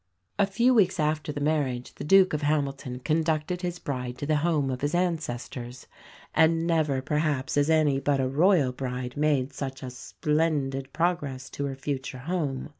A few weeks after the marriage, the Duke of Hamilton conducted his bride to the home of his ancestors; and never perhaps has any but a Royal bride made such a splendid progress to her future home.